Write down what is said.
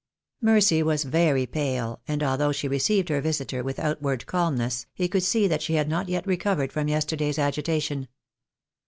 Mercy was very pale, and although she received her visitor with outward calmness, he could see that she had not yet recovered from yesterday's agitation.